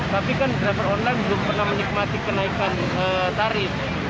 tapi kan driver online belum pernah menikmati kenaikan tarif